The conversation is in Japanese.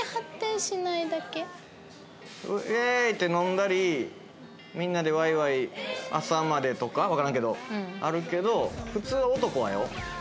イエーイ！って飲んだりみんなでワイワイ朝までとかわからんけどあるけど普通男はよ